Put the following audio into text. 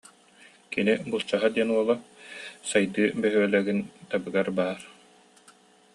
Кини Булчаһа диэн уола Сайдыы бөһүөлэгин табыгар баар